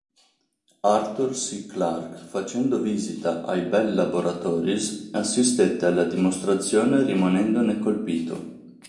Arthur C. Clarke facendo visita ai Bell Laboratories, assistette alla dimostrazione rimanendone colpito.